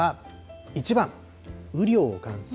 １番、雨量を観測。